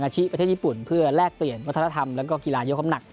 ไปที่ญี่ปุ่นเพื่อแลกเปลี่ยนวัฒนาธรรมและกีฬายกอมหนัก